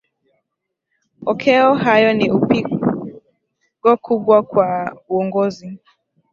okeo hayo ni pigo kubwa kwa uongozi